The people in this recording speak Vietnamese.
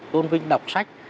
tôn vinh đọc sách